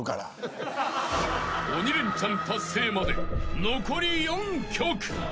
［鬼レンチャン達成まで残り４曲］